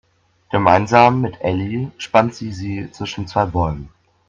Gemeinsam mit Elli spannt sie sie zwischen zwei Bäumen.